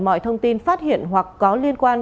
mọi thông tin phát hiện hoặc có liên quan